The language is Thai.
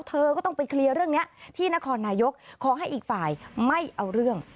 เธอก็ต้องไปเคลียร์เรื่องนี้ที่นครนายกขอให้อีกฝ่ายไม่เอาเรื่อง